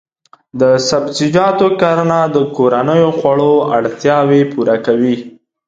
د سبزیجاتو کرنه د کورنیو خوړو اړتیاوې پوره کوي.